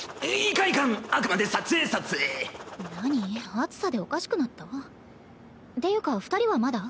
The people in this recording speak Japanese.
暑さでおかしくなった？っていうか二人はまだ？